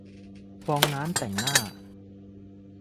ฟองน้ำแต่งหน้า